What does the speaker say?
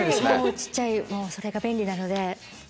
小っちゃいそれが便利なので。